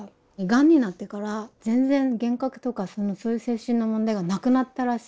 がんになってから全然幻覚とかそのそういう精神の問題がなくなったらしいんですよ。